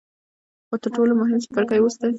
خو تر ټولو مهم څپرکی اوس دی.